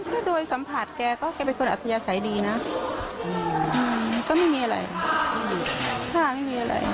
ก็โดยสัมผัสแกก็แกเป็นคนอัธยาศัยดีนะก็ไม่มีอะไรค่ะไม่มีอะไร